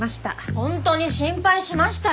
本当に心配しましたよ。